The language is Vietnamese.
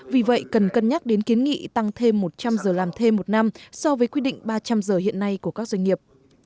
vì vậy cần cân nhắc đến kiến nghị tăng thêm một trăm linh giờ làm thêm một năm so với quy định ba trăm linh giờ hiện nay của các doanh nghiệp